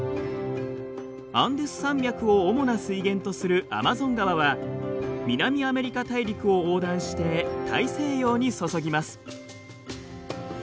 アンデス山脈を主な水源とするアマゾン川は南アメリカ大陸を横断して大西洋に注ぎます。